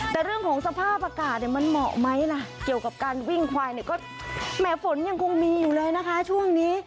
แต่เรื่องของสภาพอากาศเนี่ยมันเหมาะไหมล่ะเกี่ยวกับการวิ่งควายเนี่ยก็แหมฝนยังคงมีอยู่เลยนะคะช่วงนี้